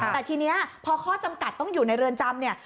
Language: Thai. แต่ทีนี้พอข้อจำกัดต้องอยู่ในเรือนจำเนี่ย